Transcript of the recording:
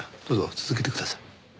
どうぞ続けてください。